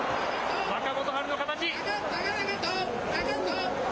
若元春の形。